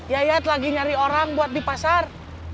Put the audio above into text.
yayat lagi nyari orang buat di pasar